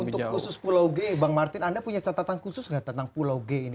untuk khusus pulau g bang martin anda punya catatan khusus nggak tentang pulau g ini